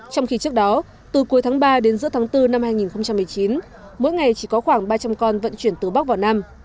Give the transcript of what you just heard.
trong khi trước đó từ cuối tháng ba đến giữa tháng bốn năm hai nghìn một mươi chín mỗi ngày chỉ có khoảng ba trăm linh con vận chuyển từ bắc vào nam